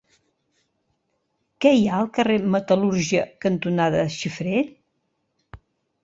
Què hi ha al carrer Metal·lúrgia cantonada Xifré?